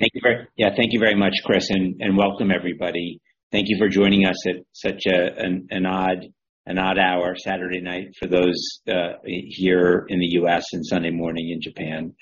Thank you very much, Chris, and welcome everybody. Thank you for joining us at such an odd hour, Saturday night for those here in the U.S. and Sunday morning in Japan.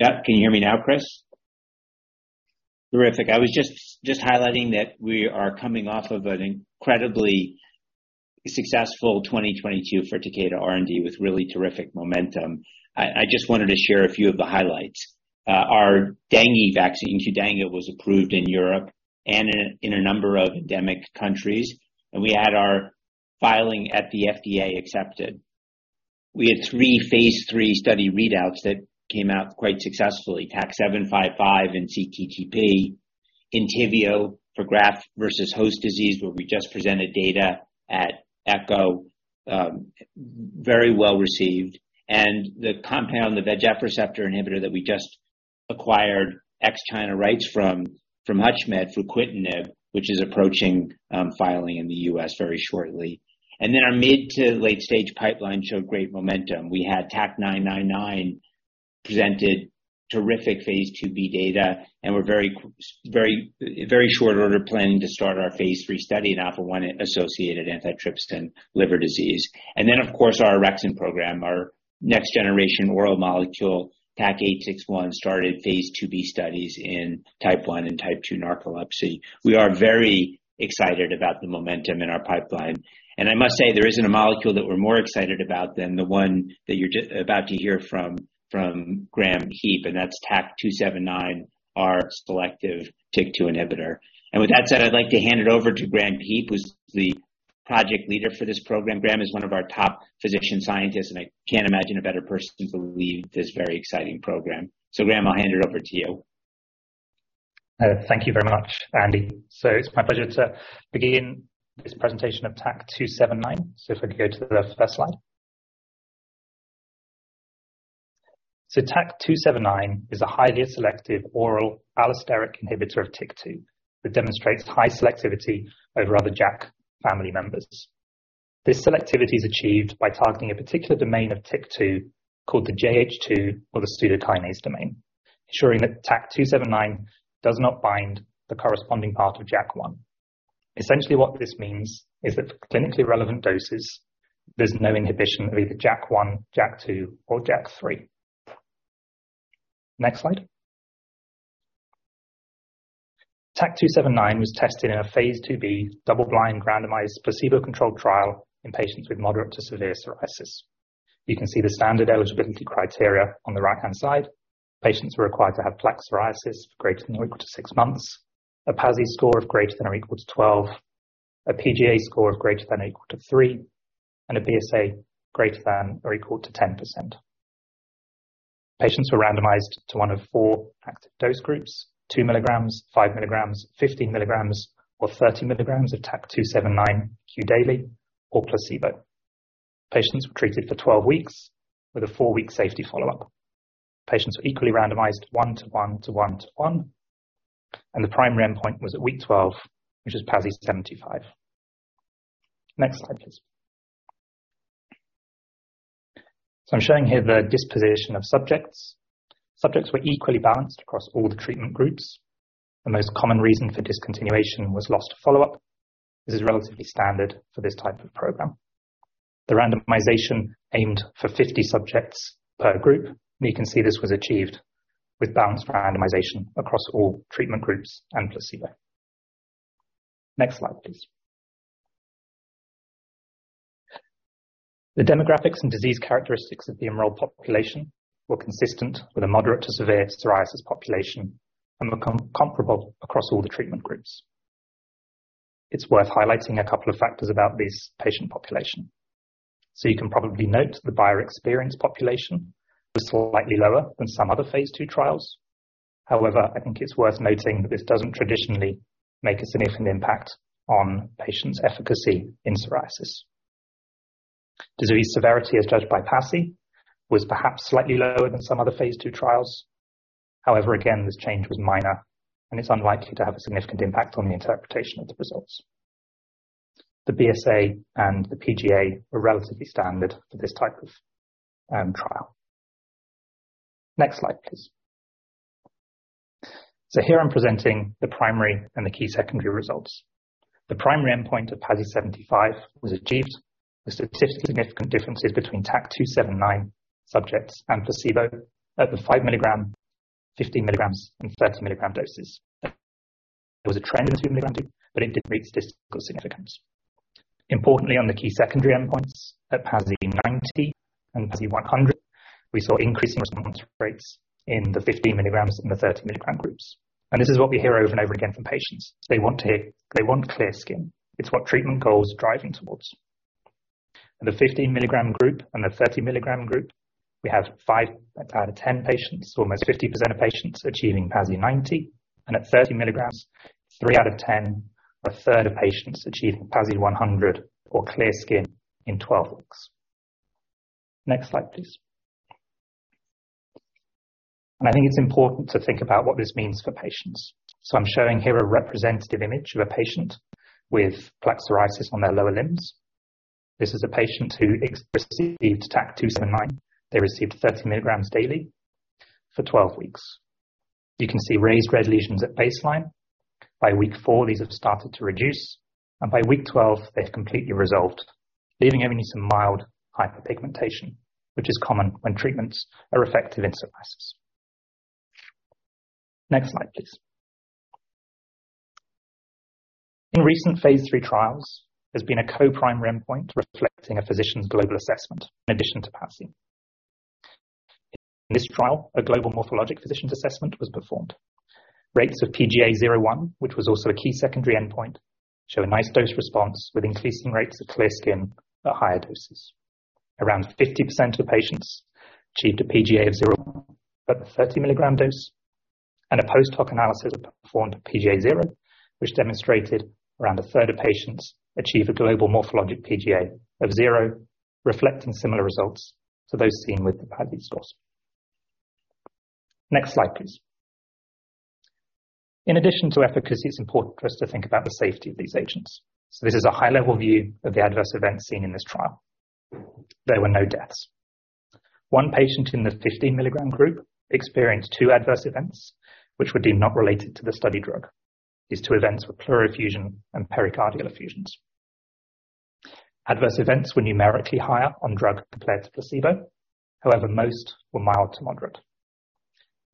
Yeah. Can you hear me now, Chris? Terrific. I was just highlighting that we are coming off of an incredibly successful 2022 for Takeda R&D with really terrific momentum. I just wanted to share a few of the highlights. Our dengue vaccine, QDENGA, was approved in Europe and in a number of endemic countries, we had our filing at the FDA accepted. We had three phase III study readouts that came out quite successfully. TAK-755 in cTTP, ENTYVIO for graft-versus-host disease, where we just presented data at Echo, very well received. The compound, the VEGFR inhibitor that we just acquired ex-China rights from HUTCHMED fruquintinib, which is approaching filing in the U.S. very shortly. Our mid to late-stage pipeline showed great momentum. We had TAK-999 presented terrific phase II-B data, and we're very, very short order planning to start our phase III study in alpha-1 antitrypsin deficiency liver disease. Of course, our Orexin program, our next generation oral molecule, TAK-861, started phase II-B studies in type 1 and type 2 narcolepsy. We are very excited about the momentum in our pipeline. I must say, there isn't a molecule that we're more excited about than the one that you're about to hear from Graham Heap, and that's TAK-279, our selective TYK2 inhibitor. With that said, I'd like to hand it over to Graham Heap, who's the project leader for this program. Graham is one of our top physician scientists, and I can't imagine a better person to lead this very exciting program. Graham, I'll hand it over to you. Thank you very much, Andy. It's my pleasure to begin this presentation of TAK-279. If we could go to the first slide. TAK-279 is a highly selective oral allosteric inhibitor of TYK2 that demonstrates high selectivity over other JAK family members. This selectivity is achieved by targeting a particular domain of TYK2 called the JH2 or the pseudokinase domain, ensuring that TAK-279 does not bind the corresponding part of JAK1. Essentially what this means is that for clinically relevant doses, there's no inhibition of either JAK1, JAK2 or JAK3. Next slide. TAK-279 was tested in a phase II-B double-blind randomized placebo-controlled trial in patients with moderate to severe psoriasis. You can see the standard eligibility criteria on the right-hand side. Patients were required to have plaque psoriasis greater than or equal to six months, a PASI score of greater than or equal to 12, a PGA score of greater than or equal to 3, and a BSA greater than or equal to 10%. Patients were randomized to one of four active dose groups, 2 mg, 5 mg, 15 mg, or 30 mg of TAK-279 Q daily or placebo. Patients were treated for 12 weeks with a four-week safety follow-up. Patients were equally randomized one-to-one to one to one, the primary endpoint was at week 12, which is PASI 75. Next slide, please. I'm showing here the disposition of subjects. Subjects were equally balanced across all the treatment groups. The most common reason for discontinuation was lost follow-up. This is relatively standard for this type of program. The randomization aimed for 50 subjects per group, and you can see this was achieved with balanced randomization across all treatment groups and placebo. Next slide, please. The demographics and disease characteristics of the enrolled population were consistent with a moderate to severe psoriasis population and were comparable across all the treatment groups. It's worth highlighting a couple of factors about this patient population. You can probably note the prior experienced population was slightly lower than some other phase II trials. However, I think it's worth noting that this doesn't traditionally make a significant impact on patients' efficacy in psoriasis. Disease severity as judged by PASI was perhaps slightly lower than some other phase II trials. However, again, this change was minor and it's unlikely to have a significant impact on the interpretation of the results. The BSA and the PGA are relatively standard for this type of, trial. Next slide, please. Here I'm presenting the primary and the key secondary results. The primary endpoint of PASI 75 was achieved with statistically significant differences between TAK-279 subjects and placebo at the 5 mg, 15 mg, and 30 mg doses. There was a trend in the 2 mg group, but it didn't reach statistical significance. Importantly, on the key secondary endpoints at PASI 90 and PASI 100, we saw increasing response rates in the 15 mg and the 30 mg groups. This is what we hear over and over again from patients. They want to hear, they want clear skin. It's what treatment goal is driving towards. In the 15 mg group and the 30 mg group, we have five out of 10 patients, almost 50% of patients achieving PASI 90. At 30 milligrams, a third of patients achieved PASI 100 or clear skin in 12 weeks. Next slide, please. I think it's important to think about what this means for patients. I'm showing here a representative image of a patient with plaque psoriasis on their lower limbs. This is a patient who received TAK-279. They received 30 mg daily for 12 weeks. You can see raised red lesions at baseline. By week four, these have started to reduce, and by week 12, they've completely resolved, leaving only some mild hyperpigmentation, which is common when treatments are effective in psoriasis. Next slide, please. In recent phase III trials, there's been a co-primary endpoint reflecting a Physician Global Assessment in addition to PASI. In this trial, a global morphologic Physician Global Assessment was performed. Rates of PGA 0/1, which was also a key secondary endpoint, show a nice dose response with increasing rates of clear skin at higher doses. Around 50% of patients achieved a PGA of 0/1 at the 30-mg dose, and a post-hoc analysis performed PGA 0, which demonstrated around a third of patients achieve a global morphologic PGA of 0, reflecting similar results to those seen with the PASI scores. Next slide, please. In addition to efficacy, it's important for us to think about the safety of these agents. This is a high-level view of the adverse events seen in this trial. There were no deaths. One patient in the 50-mg group experienced two adverse events which were deemed not related to the study drug. These two events were pleural effusion and pericardial effusions. Adverse events were numerically higher on drug compared to placebo. Most were mild-to- moderate.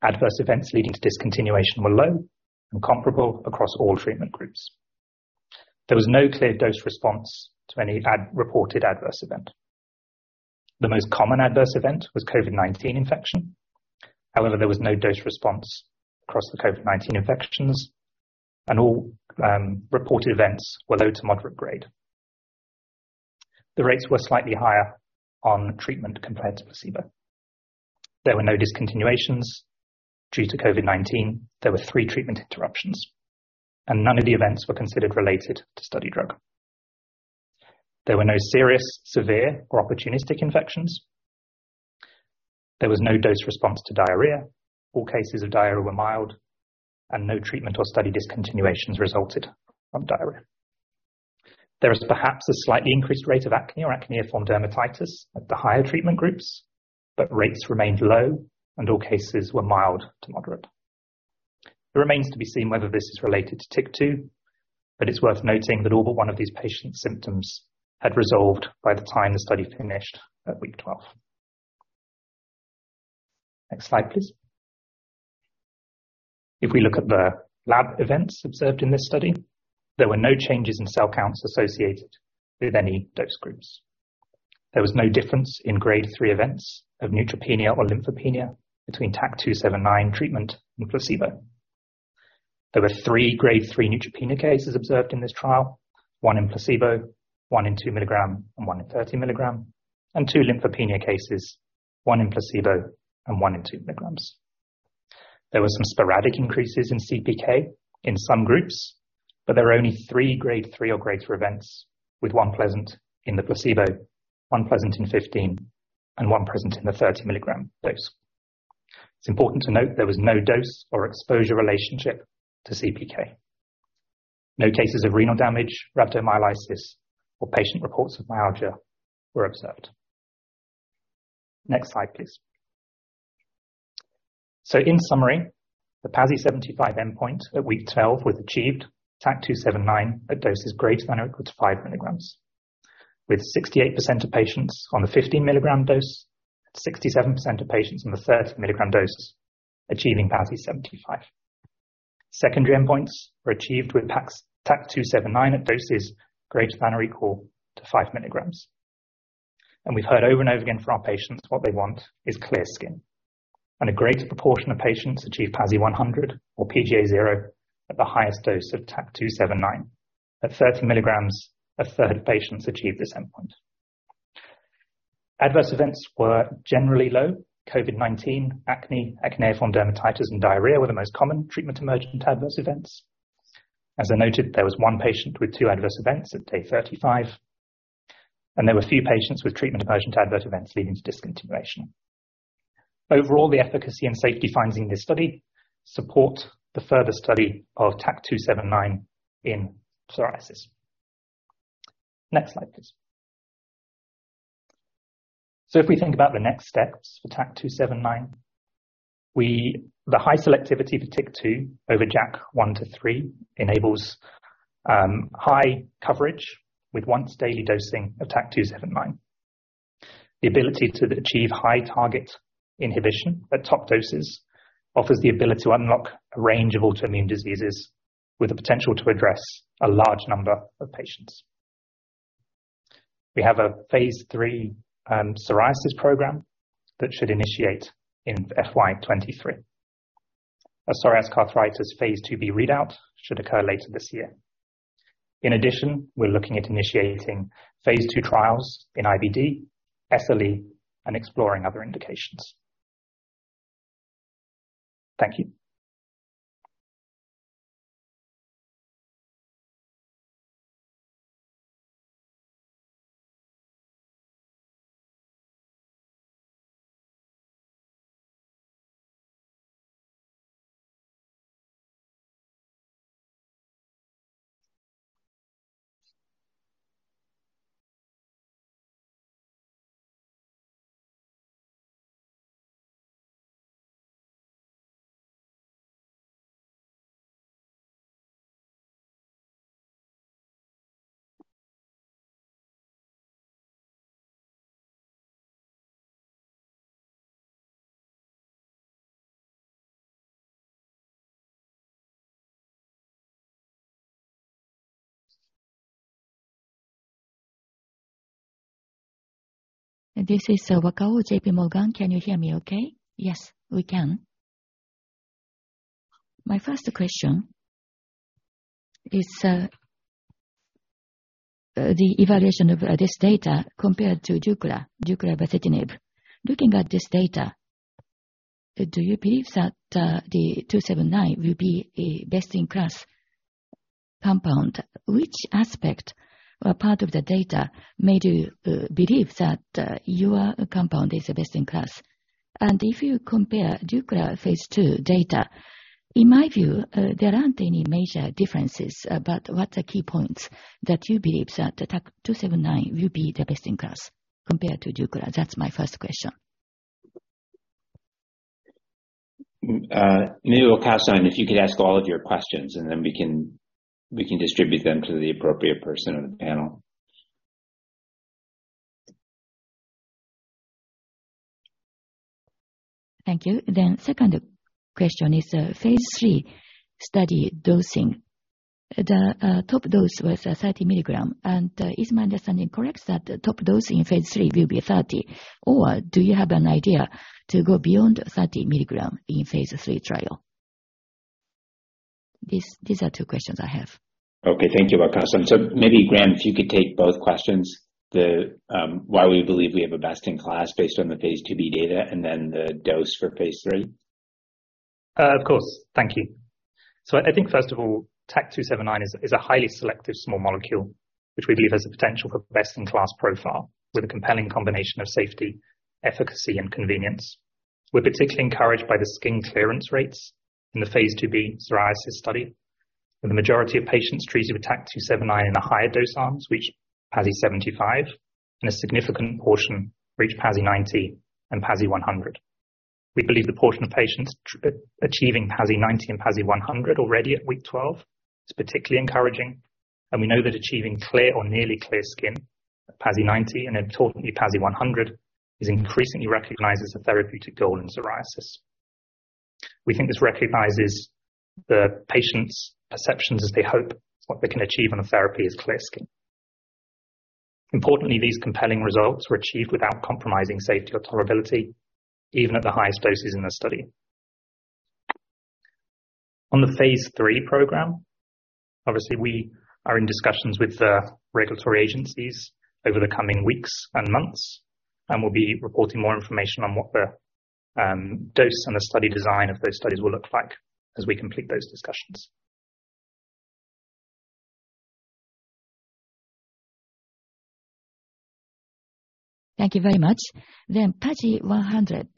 Adverse events leading to discontinuation were low and comparable across all treatment groups. There was no clear dose response to any reported adverse event. The most common adverse event was COVID-19 infection. There was no dose response across the COVID-19 infections, and all reported events were low-to-moderate grade. The rates were slightly higher on treatment compared to placebo. There were no discontinuations due to COVID-19. There were 3 treatment interruptions, none of the events were considered related to study drug. There were no serious, severe or opportunistic infections. There was no dose response to diarrhea. All cases of diarrhea were mild, and no treatment or study discontinuations resulted from diarrhea. There is perhaps a slightly increased rate of acne or acneiform dermatitis at the higher treatment groups, but rates remained low and all cases were mild-to-moderate. It remains to be seen whether this is related to TYK2, but it's worth noting that all but one of these patients' symptoms had resolved by the time the study finished at week 12. Next slide, please. If we look at the lab events observed in this study, there were no changes in cell counts associated with any dose groups. There was no difference in grade 3 events of neutropenia or lymphopenia between TAK-279 treatment and placebo. There were 3 grade 3 neutropenia cases observed in this trial, one in placebo, one in 2 mg, and one in 30 mg. Two lymphopenia cases, one in placebo and one in 2 mg. There were some sporadic increases in CPK in some groups, but there were only 3 grade 3 or greater events, with one present in the placebo, one present in 15, and one present in the 30 mg dose. It's important to note there was no dose or exposure relationship to CPK. No cases of renal damage, rhabdomyolysis, or patient reports of myalgia were observed. Next slide, please. In summary, the PASI 75 endpoint at week 12 was achieved with TAK-279 at doses greater than or equal to 5 mg, with 68% of patients on the 50 mg dose, 67% of patients on the 30 mg doses achieving PASI 75. Secondary endpoints were achieved with TAK-279 at doses greater than or equal to 5 mg. We've heard over and over again from our patients what they want is clear skin. A greater proportion of patients achieve PASI 100 or PGA 0 at the highest dose of TAK-279. At 30 mg, a third of patients achieved this endpoint. Adverse events were generally low. COVID-19, acne, acneiform dermatitis, and diarrhea were the most common treatment-emergent adverse events. As I noted, there was one patient with two adverse events at day 35, and there were a few patients with treatment-emergent adverse events leading to discontinuation. Overall, the efficacy and safety findings in this study support the further study of TAK-279 in psoriasis. Next slide, please. If we think about the next steps for TAK-279, the high selectivity for TYK2 over JAK1 to JAK3 enables high coverage with once-daily dosing of TAK-279. The ability to achieve high target inhibition at top doses offers the ability to unlock a range of autoimmune diseases with the potential to address a large number of patients. We have a phase III psoriasis program that should initiate in FY 2023. A psoriatic arthritis phase II-B readout should occur later this year. In addition, we're looking at initiating phase II trials in IBD, SLE, and exploring other indications. Thank you. This is Wakao, JPMorgan. Can you hear me okay? Yes, we can. My first question is the evaluation of this data compared to deucravacitinib. Looking at this data, do you believe that TAK-279 will be a best-in-class compound? Which aspect or part of the data made you believe that your compound is the best in class? If you compare deucravacitinib phase II data, in my view, there aren't any major differences. What are key points that you believe that TAK-279 will be the best in class compared to deucravacitinib? That's my first question. Maybe Wakao, if you could ask all of your questions and then we can distribute them to the appropriate person on the panel. Thank you. Second question is, phase III study dosing. The top dose was 30 mg. Is my understanding correct that the top dose in phase III will be 30 mg? Do you have an idea to go beyond 30 mg in phase III trial? These are two questions I have. Okay, thank you, Wakao. Maybe Graham, if you could take both questions. The why we believe we have a best-in-class based on the phase IIb data and then the dose for phase III. Of course. Thank you. I think first of all, TAK-279 is a highly selective small molecule, which we believe has the potential for best in class profile with a compelling combination of safety, efficacy, and convenience. We're particularly encouraged by the skin clearance rates in the phase II-B psoriasis study, where the majority of patients treated with TAK-279 in the higher dose arms reached PASI 75, and a significant portion reached PASI 90 and PASI 100. We believe the portion of patients achieving PASI 90 and PASI 100 already at week 12 is particularly encouraging. We know that achieving clear or nearly clear skin, PASI 90 and importantly PASI 100, is increasingly recognized as a therapeutic goal in psoriasis. We think this recognizes the patients' perceptions as they hope what they can achieve on a therapy is clear skin. Importantly, these compelling results were achieved without compromising safety or tolerability, even at the highest doses in the study. On the phase III program, obviously we are in discussions with the regulatory agencies over the coming weeks and months, and we'll be reporting more information on what the dose and the study design of those studies will look like as we complete those discussions. Thank you very much. PASI 100,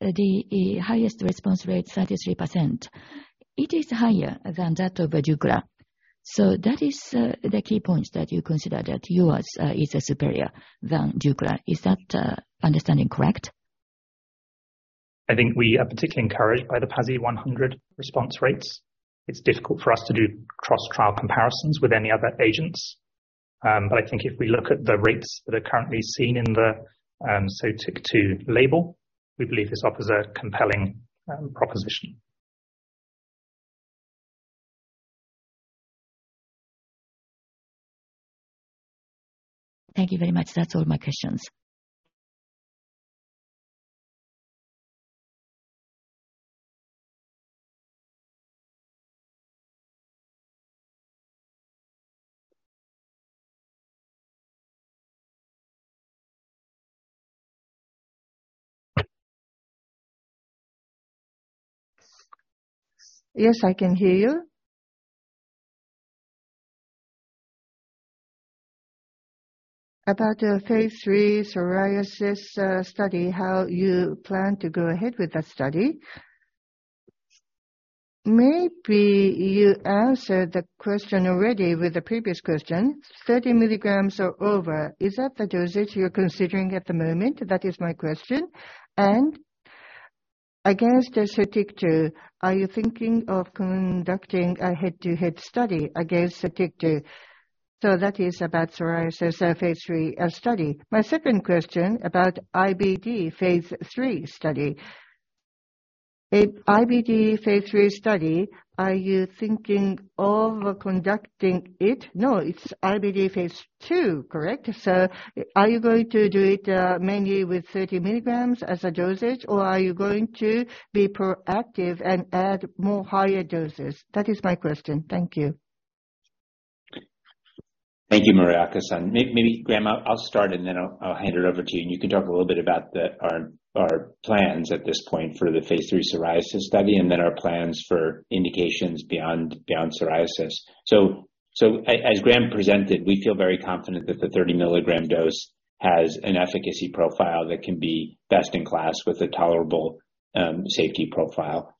the highest response rate, 33%, it is higher than that of deucravacitinib. That is the key points that you consider that yours is superior than deucravacitinib. Is that understanding correct? I think we are particularly encouraged by the PASI 100 response rates. It's difficult for us to do cross-trial comparisons with any other agents. I think if we look at the rates that are currently seen in the, SOTYKTU label, we believe this offers a compelling proposition. Thank you very much. That's all my questions. Yes, I can hear you. About your phase III psoriasis study, how you plan to go ahead with that study. Maybe you answered the question already with the previous question. 30 mg or over, is that the dosage you're considering at the moment? That is my question. Against the SOTYKTU, are you thinking of conducting a head-to-head study against SOTYKTU? That is about psoriasis phase III study. My second question about IBD phase III study. In IBD phase III study, are you thinking of conducting it? No, it's IBD phase II, correct? Are you going to do it mainly with 30 mg as a dosage, or are you going to be proactive and add more higher doses? That is my question. Thank you. Thank you, Muraki-san. Maybe Graham, I'll start and then I'll hand it over to you, and you can talk a little bit about our plans at this point for the phase III psoriasis study and then our plans for indications beyond psoriasis. As Graham presented, we feel very confident that the 30 mg dose has an efficacy profile that can be best-in-class with a tolerable safety profile.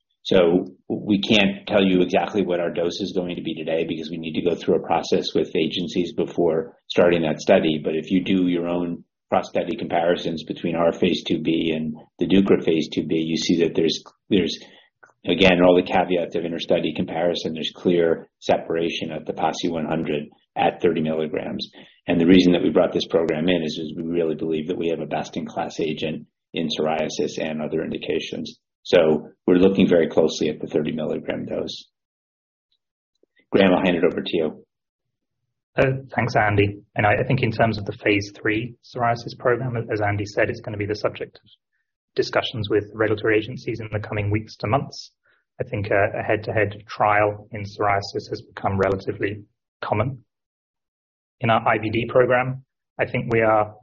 We can't tell you exactly what our dose is going to be today because we need to go through a process with agencies before starting that study. If you do your own cross-study comparisons between our phase II-B and the deucravacitinib phase II-B, you see that there's again all the caveats of inter-study comparison. There's clear separation at the PASI 100 at 30 mg. The reason that we brought this program in is we really believe that we have a best-in-class agent in psoriasis and other indications. We're looking very closely at the 30 mg dose. Graham, I'll hand it over to you. Thanks, Andy. I think in terms of the phase III psoriasis program, as Andy said, it's gonna be the subject of discussions with regulatory agencies in the coming weeks to months. I think a head-to-head trial in psoriasis has become relatively common. In our IBD program, I think we are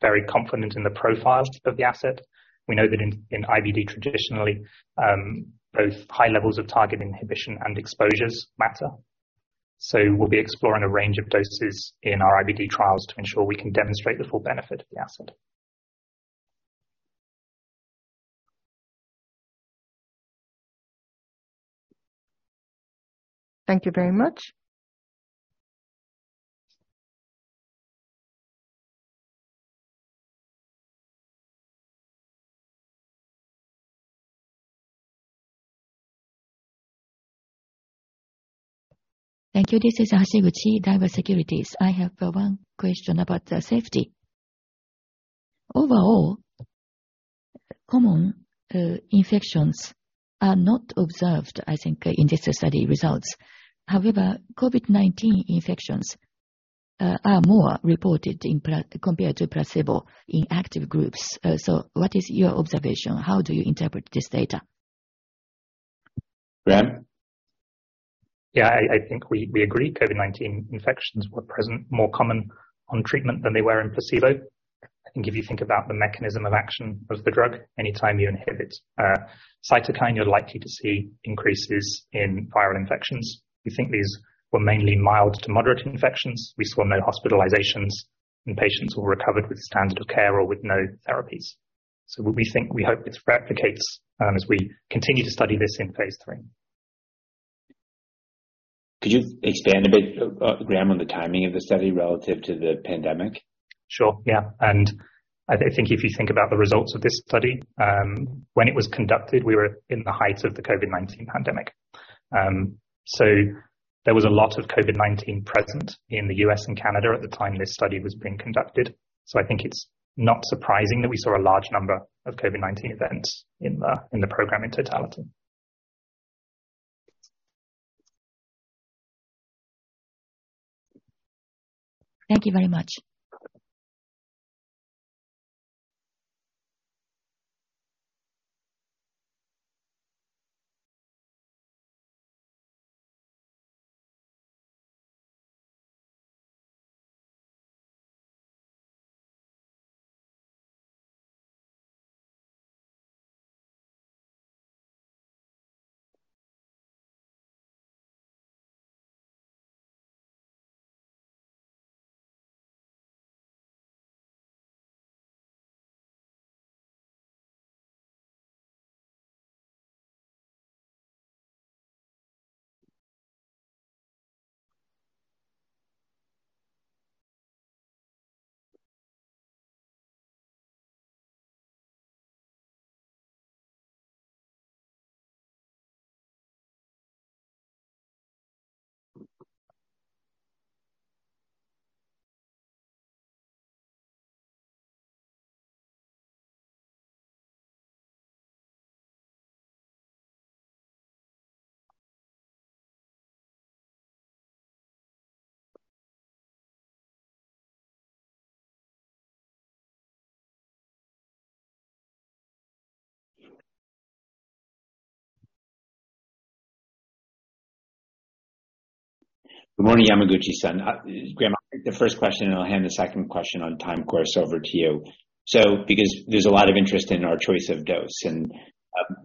very confident in the profiles of the asset. We know that in IBD traditionally, both high levels of target inhibition and exposures matter. We'll be exploring a range of doses in our IBD trials to ensure we can demonstrate the full benefit of the asset. Thank you very much. Thank you. This is Hashiguchi, Daiwa Securities. I have one question about the safety. Overall, common infections are not observed, I think, in this study results. However, COVID-19 infections are more reported compared to placebo in active groups. What is your observation? How do you interpret this data? Graham? I think we agree COVID-19 infections were present more common on treatment than they were in placebo. I think if you think about the mechanism of action of the drug, anytime you inhibit a cytokine, you're likely to see increases in viral infections. We think these were mainly mild to moderate infections. We saw no hospitalizations and patients all recovered with standard care or with no therapies. We hope this replicates as we continue to study this in phase III. Could you expand a bit, Graham, on the timing of the study relative to the pandemic? Sure. Yeah. I think if you think about the results of this study, when it was conducted, we were in the heights of the COVID-19 pandemic. There was a lot of COVID-19 present in the U.S. and Canada at the time this study was being conducted. I think it's not surprising that we saw a large number of COVID-19 events in the, in the program in totality. Thank you very much. Good morning, Yamaguchi-san. Graham, I'll take the first question, and I'll hand the second question on time course over to you. Because there's a lot of interest in our choice of dose, and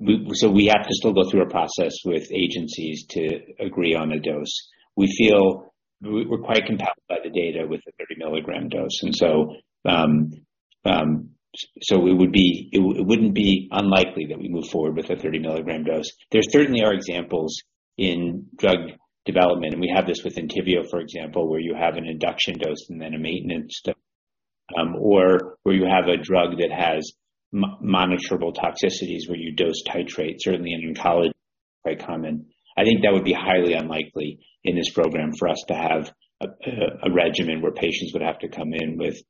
we have to still go through a process with agencies to agree on a dose. We feel we're quite compelled by the data with the 30 mg dose. So it wouldn't be unlikely that we move forward with a 30 mg dose. There certainly are examples in drug development, and we have this with ENTYVIO, for example, where you have an induction dose and then a maintenance dose, or where you have a drug that has monitorable toxicities where you dose titrate, certainly in oncology, quite common. I think that would be highly unlikely in this program for us to have a regimen where patients would have to come in with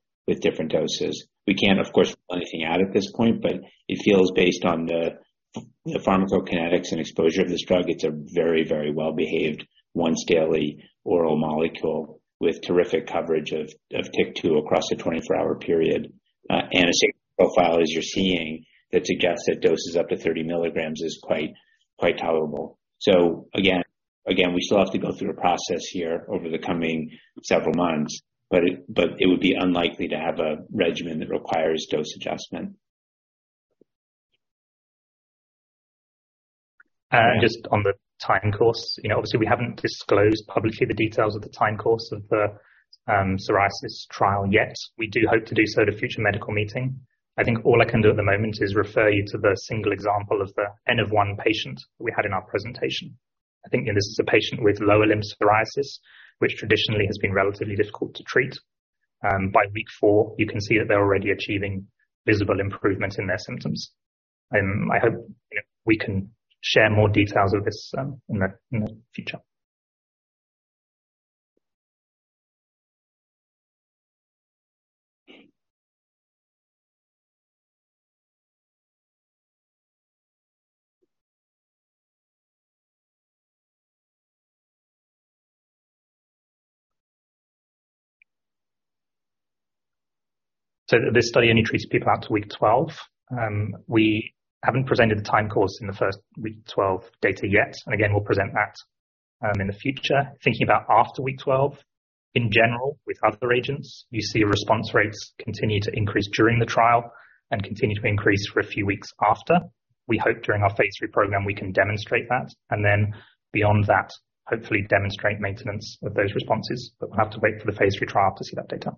different doses. We can't, of course, rule anything out at this point, but it feels based on the pharmacokinetics and exposure of this drug. It's a very, very well-behaved once-daily oral molecule with terrific coverage of TYK2 across a 24-hour period. A safety profile, as you're seeing, that suggests that doses up to 30 mg is quite tolerable. We still have to go through a process here over the coming several months, but it would be unlikely to have a regimen that requires dose adjustment. Just on the time course. You know, obviously, we haven't disclosed publicly the details of the time course of the psoriasis trial yet. We do hope to do so at a future medical meeting. I think all I can do at the moment is refer you to the single example of the N-of-1 patient we had in our presentation. I think this is a patient with lower limb psoriasis, which traditionally has been relatively difficult to treat. By week four, you can see that they're already achieving visible improvement in their symptoms. I hope, you know, we can share more details of this in the future. This study only treats people out to week 12. We haven't presented the time course in the first week 12 data yet, and again, we'll present that in the future. Thinking about after week 12, in general, with other agents, you see response rates continue to increase during the trial and continue to increase for a few weeks after. We hope during our phase III program we can demonstrate that, and then beyond that, hopefully demonstrate maintenance of those responses. We'll have to wait for the phase III trial to see that data.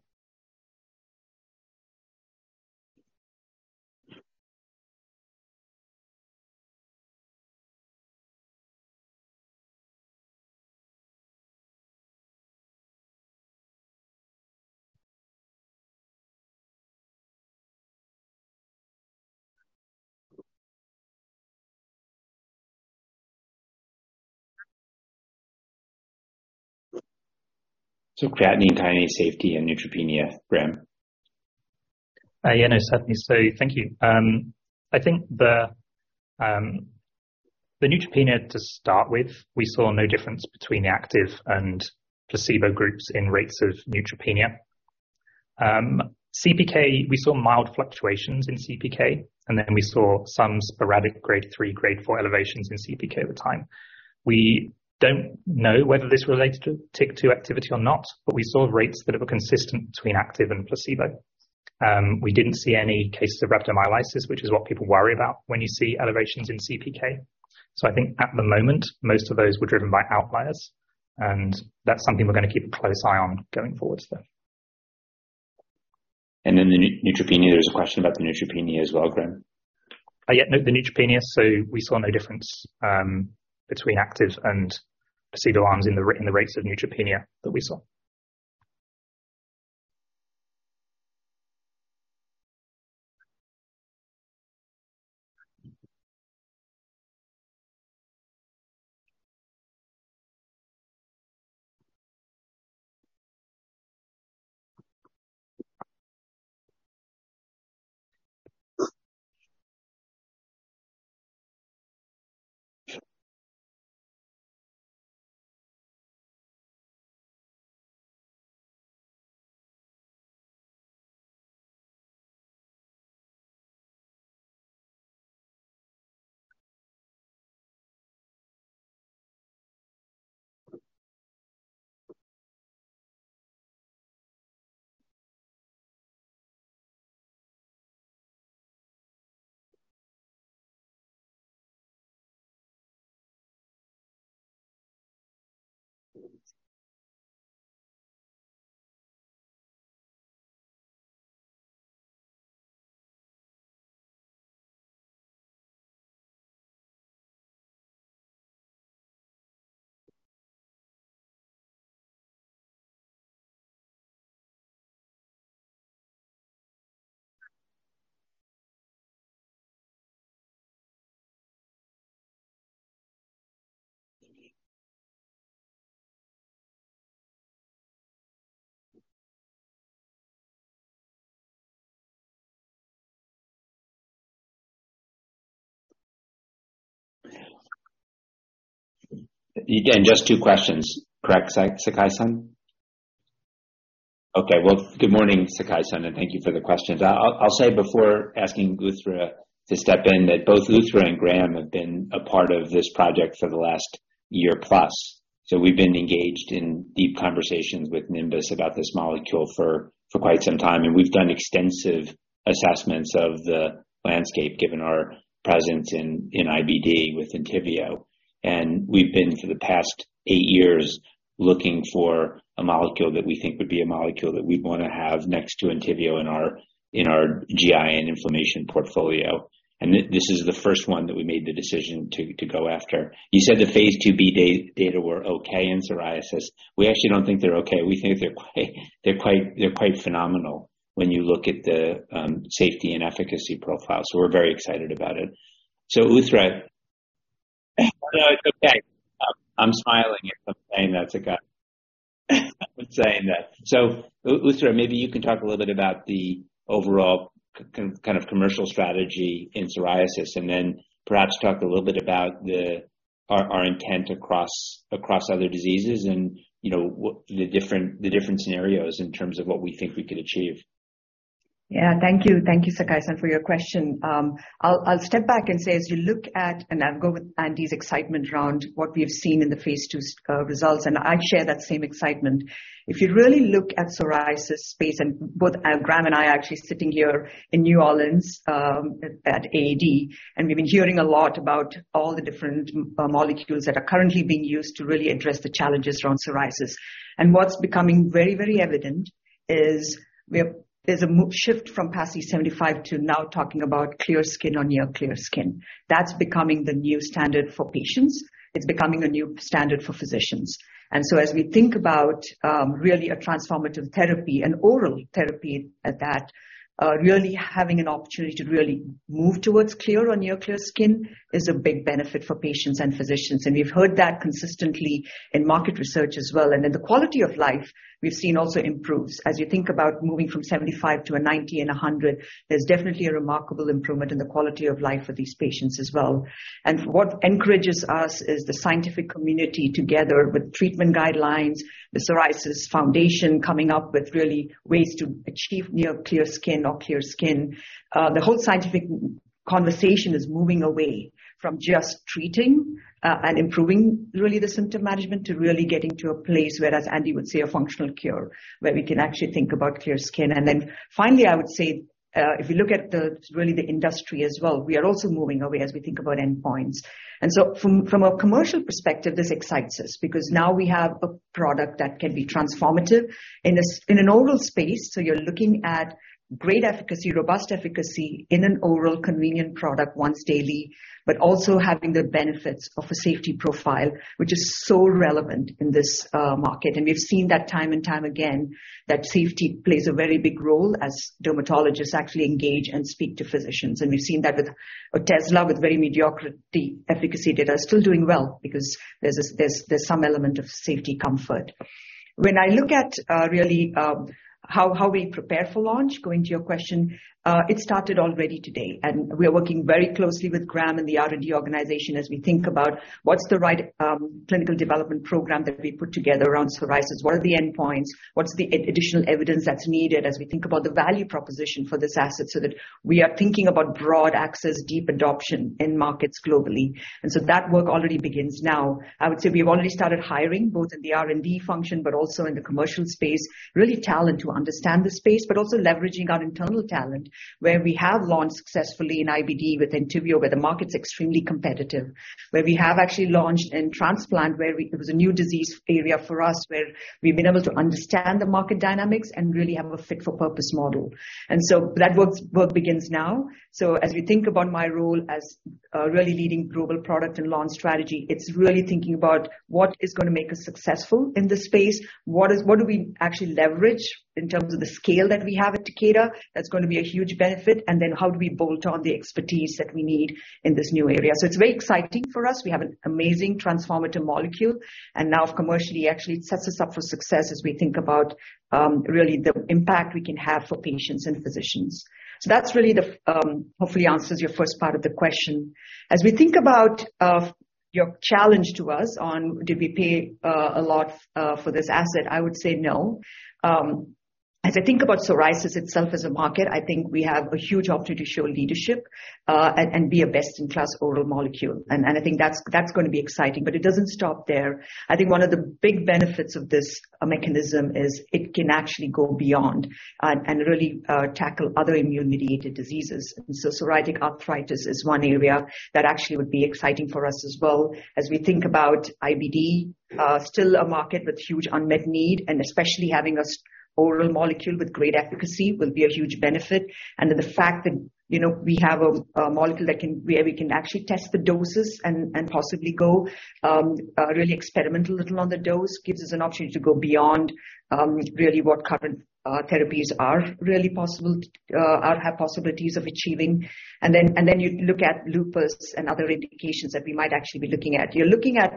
Creatine kinase safety and neutropenia, Graham. Yeah. No, certainly. Thank you. I think the neutropenia to start with, we saw no difference between the active and placebo groups in rates of neutropenia. CPK, we saw mild fluctuations in CPK, and then we saw some sporadic grade 3, grade 4elevations in CPK over time. We don't know whether this related to TYK2 activity or not, but we saw rates that were consistent between active and placebo. We didn't see any cases of rhabdomyolysis, which is what people worry about when you see elevations in CPK. I think at the moment, most of those were driven by outliers, and that's something we're gonna keep a close eye on going forward. Neutropenia. There's a question about the neutropenia as well, Graham. Yeah. No. The neutropenia. We saw no difference between active and placebo arms in the rates of neutropenia that we saw. Just two questions. Correct, Sakai-Sakai San? Okay. Well, good morning, Sakai San, and thank you for the questions. I'll say before asking Uthra to step in, that both Uthra and Graham have been a part of this project for the last year plus. We've been engaged in deep conversations with Nimbus about this molecule for quite some time. We've done extensive assessments of the landscape, given our presence in IBD with ENTYVIO. We've been, for the past eight years, looking for a molecule that we think would be a molecule that we'd wanna have next to ENTYVIO in our GI and inflammation portfolio. This is the first one that we made the decision to go after. You said the phase II-B data were okay in psoriasis. We actually don't think they're okay. We think they're quite phenomenal when you look at the safety and efficacy profile. We're very excited about it. Uthra. No, it's okay. I'm smiling if I'm saying that, Sakai. I'm saying that. Uthra, maybe you can talk a little bit about the overall kind of commercial strategy in psoriasis, and then perhaps talk a little bit about the. Our intent across other diseases and, you know, the different scenarios in terms of what we think we could achieve. Yeah. Thank you. Thank you, Sakai San, for your question. I'll step back and say, as you look at, and I'll go with Andy's excitement around what we have seen in the phase II results, and I share that same excitement. If you really look at psoriasis space and both Graham and I are actually sitting here in New Orleans, at AAD, and we've been hearing a lot about all the different molecules that are currently being used to really address the challenges around psoriasis. What's becoming very evident is we have... There's a shift from PASI 75 to now talking about clear skin or near clear skin. That's becoming the new standard for patients. It's becoming a new standard for physicians. As we think about really a transformative therapy and oral therapy at that, really having an opportunity to really move towards clear or near clear skin is a big benefit for patients and physicians. We've heard that consistently in market research as well. The quality of life we've seen also improves. As you think about moving from 75% to a 90% and a 100%, there's definitely a remarkable improvement in the quality of life for these patients as well. What encourages us is the scientific community together with treatment guidelines, the National Psoriasis Foundation coming up with really ways to achieve near clear skin or clear skin. The whole scientific conversation is moving away from just treating and improving really the symptom management, to really getting to a place where, as Andy would say, a functional cure, where we can actually think about clear skin. Finally, I would say, if you look at really the industry as well, we are also moving away as we think about endpoints. From a commercial perspective, this excites us because now we have a product that can be transformative in an oral space. You're looking at great efficacy, robust efficacy in an oral convenient product once daily, but also having the benefits of a safety profile, which is so relevant in this market. We've seen that time and time again, that safety plays a very big role as dermatologists actually engage and speak to physicians. We've seen that with Otezla, with very mediocrity efficacy data, still doing well because there's some element of safety comfort. When I look at really how we prepare for launch, going to your question, it started already today, and we are working very closely with Graham and the R&D organization as we think about what's the right clinical development program that we put together around psoriasis. What are the endpoints? What's the additional evidence that's needed as we think about the value proposition for this asset, so that we are thinking about broad access, deep adoption in markets globally. So that work already begins now. I would say we've already started hiring both in the R&D function but also in the commercial space, really talent to understand the space, but also leveraging our internal talent where we have launched successfully in IBD with ENTYVIO, where the market's extremely competitive. Where we have actually launched in transplant, where we. It was a new disease area for us, where we've been able to understand the market dynamics and really have a fit for purpose model. That work begins now. As we think about my role as really leading global product and launch strategy, it's really thinking about what is gonna make us successful in this space. What do we actually leverage in terms of the scale that we have at Takeda that's gonna be a huge benefit? How do we bolt on the expertise that we need in this new area? It's very exciting for us. We have an amazing transformative molecule and now commercially actually it sets us up for success as we think about really the impact we can have for patients and physicians. That's really the hopefully answers your first part of the question. As we think about your challenge to us on did we pay a lot for this asset? I would say no. As I think about psoriasis itself as a market, I think we have a huge opportunity to show leadership and be a best-in-class oral molecule. And I think that's gonna be exciting. It doesn't stop there. I think one of the big benefits of this mechanism is it can actually go beyond and really tackle other immune-mediated diseases. Psoriatic arthritis is one area that actually would be exciting for us as well. As we think about IBD, still a market with huge unmet need and especially having us oral molecule with great efficacy will be a huge benefit. The fact that, you know, we have a molecule that can, where we can actually test the doses and possibly go really experiment a little on the dose gives us an opportunity to go beyond really what current therapies are really possible or have possibilities of achieving. You look at lupus and other indications that we might actually be looking at. You're looking at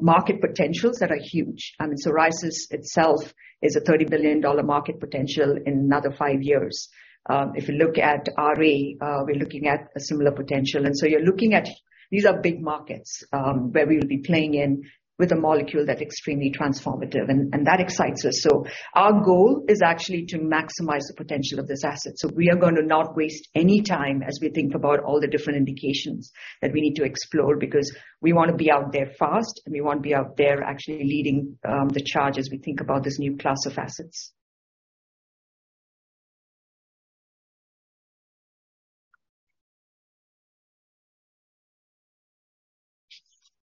market potentials that are huge. I mean, psoriasis itself is a $30 billion market potential in another five years. If you look at RA, we're looking at a similar potential. You're looking at these are big markets, where we will be playing in with a molecule that extremely transformative, and that excites us. Our goal is actually to maximize the potential of this asset. We are gonna not waste any time as we think about all the different indications that we need to explore, because we wanna be out there fast and we wanna be out there actually leading the charge as we think about this new class of assets.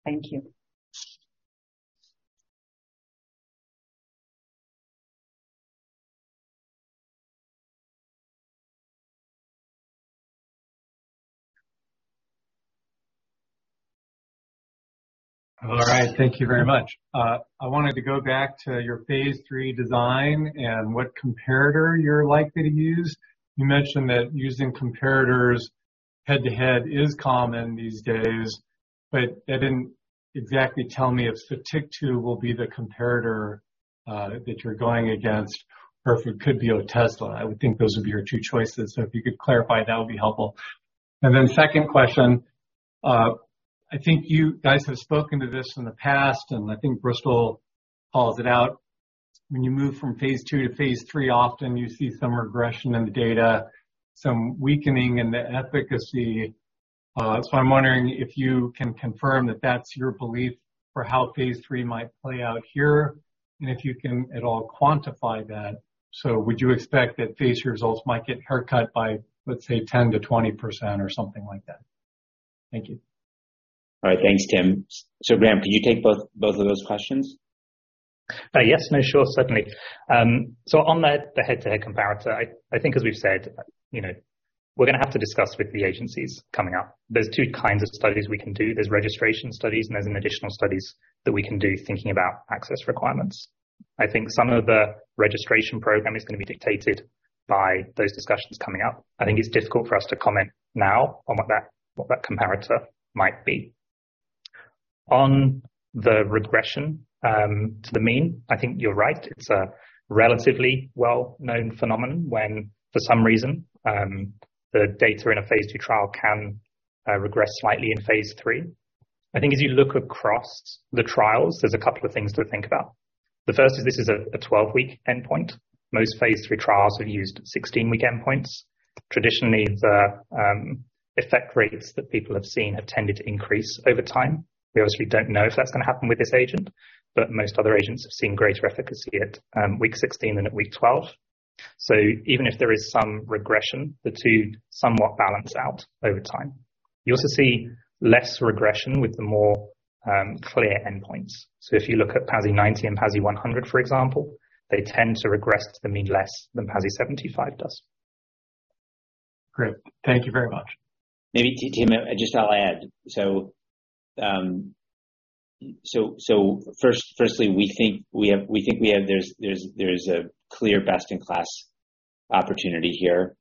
Thank you. All right. Thank you very much. I wanted to go back to your phase III design and what comparator you're likely to use. You mentioned that using comparators head-to-head is common these days, but that didn't exactly tell me if SOTYKTU will be the comparator that you're going against or if it could be Otezla. I would think those would be your two choices. If you could clarify, that would be helpful. Second question. I think you guys have spoken to this in the past, and I think Bristol calls it out. When you move from phase II to phase III, often you see some regression in the data, some weakening in the efficacy. I'm wondering if you can confirm that that's your belief for how phase III might play out here, and if you can at all quantify that. Would you expect that phase III results might get hair cut by, let's say, 10%-20% or something like that? Thank you. All right. Thanks, Tim. Graham, can you take both of those questions? Yes, no, sure. Certainly. On the head-to-head comparator, I think as we've said, you know, we're gonna have to discuss with the agencies coming up. There's two kinds of studies we can do. There's registration studies and there's additional studies that we can do thinking about access requirements. I think some of the registration program is gonna be dictated by those discussions coming up. I think it's difficult for us to comment now on what that comparator might be. On the regression to the mean, I think you're right. It's a relatively well-known phenomenon when for some reason, the data in a phase II trial can regress slightly in phase III. I think as you look across the trials, there's a couple of things to think about. The first is this is a 12-week endpoint. Most phase III trials have used 16-week endpoints. Traditionally, the effect rates that people have seen have tended to increase over time. We obviously don't know if that's gonna happen with this agent, but most other agents have seen greater efficacy at week 16 than at week 12. Even if there is some regression, the 2 somewhat balance out over time. You also see less regression with the more clear endpoints. If you look at PASI 90 and PASI 100, for example, they tend to regress to the mean less than PASI 75 does. Great. Thank you very much. Maybe Tim, just I'll add. Firstly, we think we have there's a clear best-in-class opportunity here.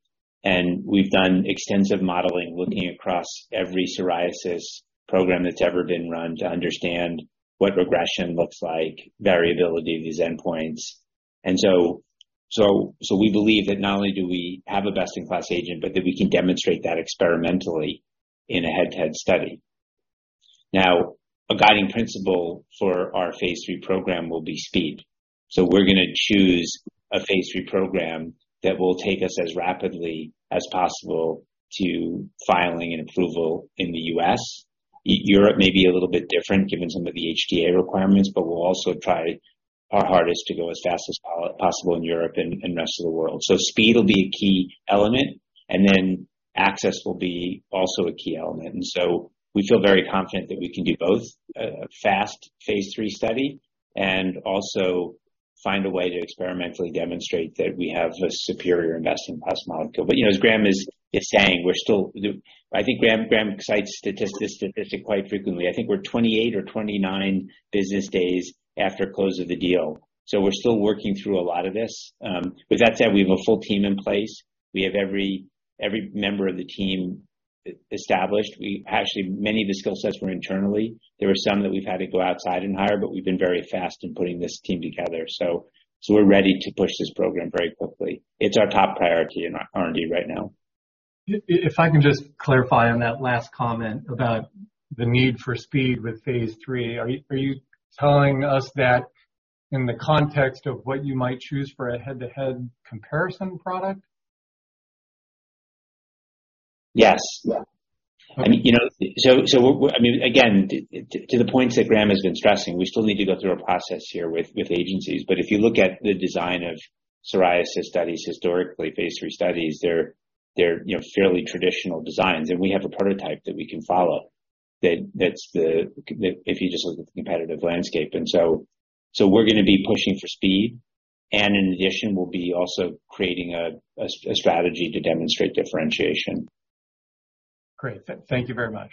We've done extensive modeling looking across every psoriasis program that's ever been run to understand what regression looks like, variability of these endpoints. So we believe that not only do we have a best-in-class agent, but that we can demonstrate that experimentally in a head-to-head study. Now, a guiding principle for our phase III program will be speed. We're gonna choose a phase III program that will take us as rapidly as possible to filing an approval in the U.S. Europe may be a little bit different given some of the HTA requirements, we'll also try our hardest to go as fast as possible in Europe and the rest of the world. Speed will be a key element, access will be also a key element. We feel very confident that we can do both, a fast phase III study and also find a way to experimentally demonstrate that we have a superior best-in-class molecule. You know, as Graham is saying, we're still. I think Graham cites statistic quite frequently. I think we're 28 or 29 business days after close of the deal. We're still working through a lot of this. With that said, we have a full team in place. We have every member of the team e-established. We actually, many of the skill sets were internally. There were some that we've had to go outside and hire, but we've been very fast in putting this team together. We're ready to push this program very quickly. It's our top priority in R&D right now. If I can just clarify on that last comment about the need for speed with phase III. Are you telling us that in the context of what you might choose for a head-to-head comparison product? Yes. Yeah. Okay. I mean, you know. We're I mean, again, to the points that Graham has been stressing, we still need to go through a process here with agencies. If you look at the design of psoriasis studies, historically, phase III studies, they're, you know, fairly traditional designs. We have a prototype that we can follow that's the. If you just look at the competitive landscape. We're gonna be pushing for speed. In addition, we'll be also creating a strategy to demonstrate differentiation. Great. Thank you very much.